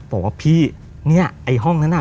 บอกว่าพี่เนี่ยไอ้ห้องนั้นน่ะ